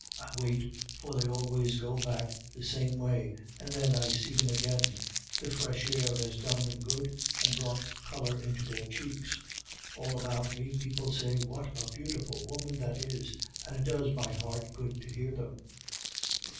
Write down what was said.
I wait, for they always go back the same way, and then I see them again; the fresh air has done them good and brought color into their cheeks; all about me people say, 'What a beautiful woman that is!' and it does my heart good to hear them.